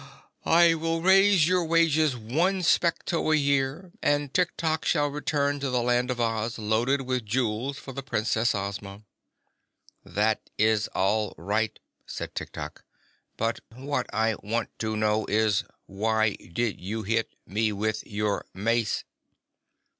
"I will raise your wages one specto a year, and Tiktok shall return to the Land of Oz loaded with jewels for the Princess Ozma." "That is all right," said Tiktok. "But what I want to know is, why did you hit me with your mace?"